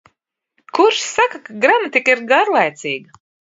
Kurš saka, ka gramatika ir garlaicīga?